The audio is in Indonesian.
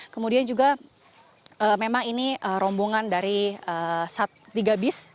kemudian juga memang ini rombongan dari tiga bis